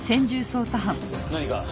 何か？